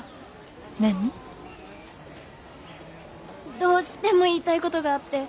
どうしても言いたいことがあって。